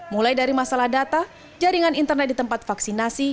mulai dari masalah data jaringan internet di tempat vaksinasi